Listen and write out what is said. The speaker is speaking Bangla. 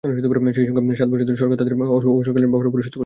সেই সঙ্গে সাত বছর ধরে সরকার তাঁদের অবসরকালীন পাওনা পরিশোধ করছে না।